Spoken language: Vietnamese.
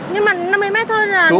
nhưng mà năm mươi mét thôi là